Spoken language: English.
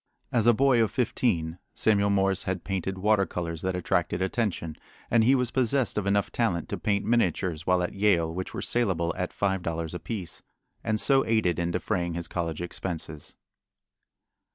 As a boy of fifteen Samuel Morse had painted water colors that attracted attention, and he was possessed of enough talent to paint miniatures while at Yale which were salable at five dollars apiece, and so aided in defraying his college expenses.